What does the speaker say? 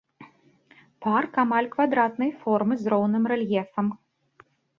Парк амаль квадратнай формы з роўным рэльефам.